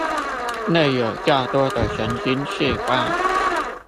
內有較多的神經細胞